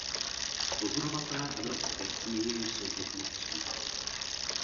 Pozorovatelé Evropské unie jsou bezmocní.